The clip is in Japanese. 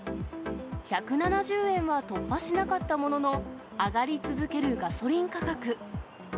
１７０円は突破しなかったものの、上がり続けるガソリン価格。